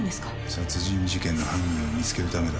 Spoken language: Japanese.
殺人事件の犯人を見つけるためだ。